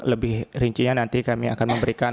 lebih rincinya nanti kami akan memberikan